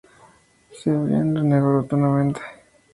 Cebrián lo negó rotundamente.